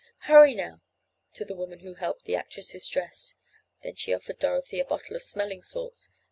Hurry now," to the woman who helped the actresses dress. Then she offered Dorothy a bottle of smelling salts.